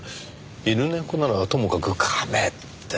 犬猫ならともかくカメって。